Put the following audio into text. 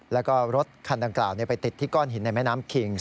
แล้วก็รถคันดังกล่าวไปติดที่ก้อนหินในแม่น้ำคิง